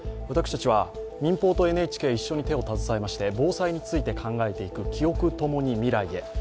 私たちは民放とＮＨＫ一緒に手を携えまして防災について考えていく「キオク、ともに未来へ」。